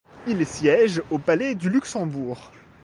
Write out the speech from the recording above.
Il siège au palais du Luxembourg.